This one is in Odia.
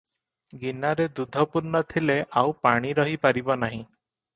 ଗିନାରେ ଦୁଧ ପୂର୍ଣ୍ଣ ଥିଲେ ଆଉ ପାଣି ରହି ପାରିବ ନାହିଁ ।